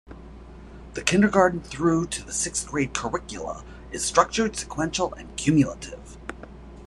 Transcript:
The kindergarten through to sixth-grade curricula is structured, sequential, and cumulative.